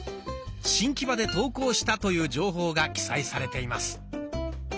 新木場で投稿したという情報が記載されています。